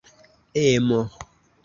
emo